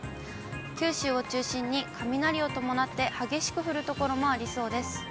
九州を中心に雷を伴って激しく降る所もありそうです。